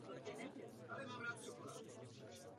Dvě nalezené sloje byly později pojmenovány Juliana a Vilemína.